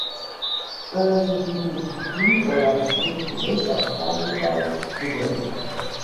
ყველაზე დიდ ძუძუმწოვარს- ლურჯ ვეშაპს საერთოდ არ აქვს კბილები.